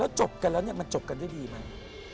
แล้วจบกันแล้วมันจบกันได้ดีมั้ย